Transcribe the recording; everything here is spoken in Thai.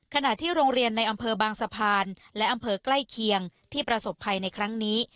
ขณะที่โรงเรียนในอำเภอบางสะพานและอำเภอใกล้เคียงที่ประสบภัยในครั้งนี้